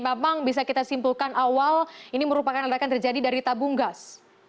memang bisa kita simpulkan awal ini merupakan ledakan terjadi dari tabung gas